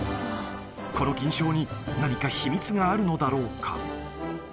この金賞に何か秘密があるのだろうか。